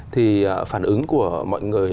thì phản ứng của mọi người